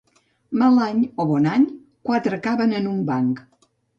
Mal any o bon any, quatre caben en un banc.